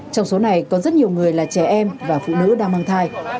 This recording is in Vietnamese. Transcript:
trong số này có rất nhiều người là trẻ em và phụ nữ đang mang thai